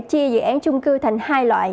chia dự án trung cư thành hai loại